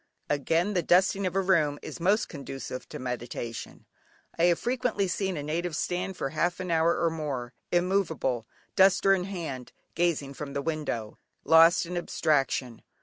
Again, the dusting of a room is most conducive to meditation. I have frequently seen a native stand for half an hour or more, immovable, duster in hand, gazing from the window, lost in abstraction.